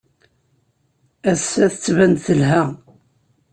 Ass-a, tettban-d telha.